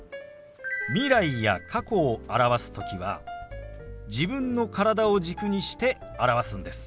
未来や過去を表す時は自分の体を軸にして表すんです。